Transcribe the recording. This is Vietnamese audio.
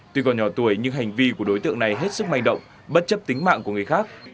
tuy còn nhỏ tuổi nhưng hành vi của đối tượng này hết sức manh động bất chấp tính mạng của người khác